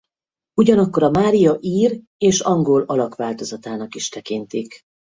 Ugyanakkor a Mária ír és angol alakváltozatának is tekintik.